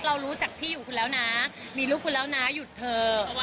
เรารู้จักที่อยู่คุณแล้วนะมีลูกคุณแล้วนะหยุดเถอะ